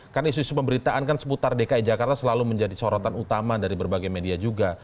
kan isu isu pemberitaan kan seputar dki jakarta selalu menjadi sorotan utama dari berbagai media juga